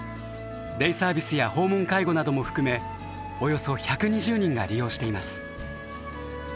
デイサービスや訪問介護なども含めおよそ１２０人が利用しています。